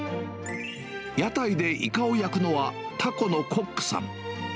屋台でイカを焼くのはタコのコックさん。